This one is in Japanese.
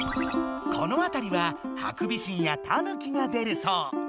このあたりはハクビシンやタヌキが出るそう。